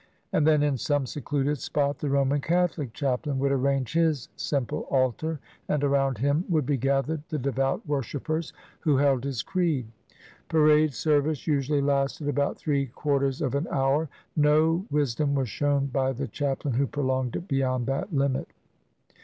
And then in some secluded spot the Roman Catholic chaplain would arrange his simple altar, and around him 219 INDIA would be gathered the devout worshipers who held his creed. Parade service usually lasted about three quar ters of an hour. No wisdom was shown by the chaplain who prolonged it beyond that Hmit.